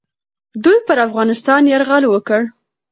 دوی پر افغانستان یرغل وکړ.